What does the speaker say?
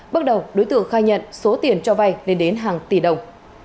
bước đầu đối tượng khai nhận số tiền cho vay lên đến hàng tỷ đồng